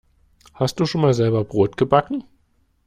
Hast du schon mal selber Brot gebacken?